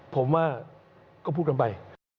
ผมว่าก็พูดกันไป